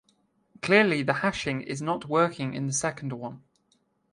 Clearly the hashing is not working in the second one.